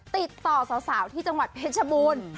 ติดต่อสาวที่จังหวัดเพชรบูรณ์